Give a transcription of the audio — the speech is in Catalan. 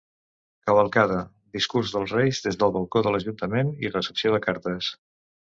Cavalcada, discurs dels reis des del balcó de l'Ajuntament i recepció de cartes.